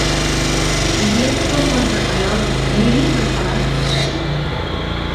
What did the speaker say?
زىددىيەتكە تولغان بىر ئايال، غەيرىي بىر تالانت ئىگىسى.